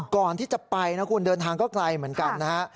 ก่อนที่จะไปนะคุณเดินทางก็ไกลเหมือนกันนะฮะ